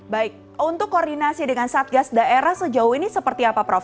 baik untuk koordinasi dengan satgas daerah sejauh ini seperti apa prof